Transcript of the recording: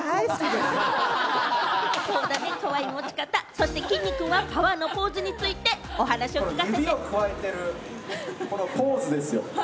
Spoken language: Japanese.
そしてきんに君は、パワーのポーズについてお話を聞かせて。